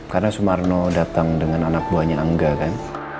karena sumarno datang dengan anak buahnya angga kan